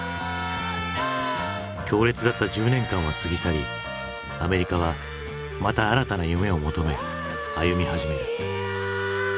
強烈だった１０年間は過ぎ去りアメリカはまた新たな夢を求め歩み始める。